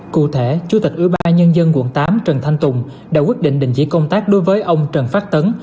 cụ thể chủ tịch ủy ba nhân dân quận tám trần thanh tùng đã quyết định đình chỉ công tác đối với ông trần phát tấn